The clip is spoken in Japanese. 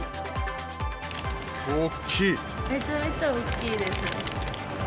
めちゃめちゃおっきいですね。